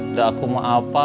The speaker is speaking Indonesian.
udah aku mah apa